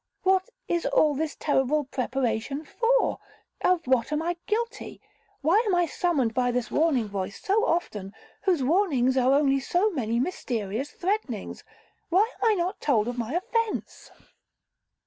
what is all this terrible preparation for? Of what am I guilty? Why am I summoned by this warning voice so often, whose warnings are only so many mysterious threatenings? Why am I not told of my offence?'